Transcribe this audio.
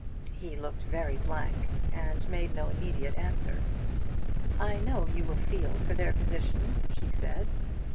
He looked very blank, and made no immediate answer. "I know you will feel for their position," she said.